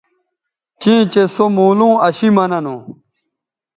چیئں چہء سو مولوں اشی مہ ننوں